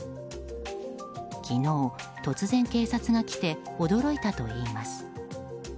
昨日、突然警察が来て驚いたといいます。